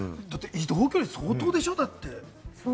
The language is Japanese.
移動距離、相当でしょ？だって。